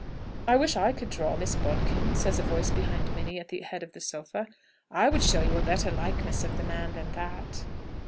"I wish I could draw, Miss Bodkin," says a voice behind Minnie at the head of the sofa; "I would show you a better likeness of the man than that!"